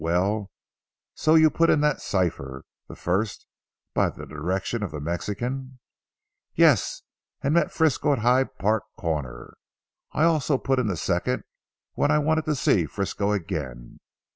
Well, so you put in that cipher the first by the direction of the Mexican? "Yes. And met Frisco at Hyde Park Corner. I also put in the second when I wanted to see Frisco again.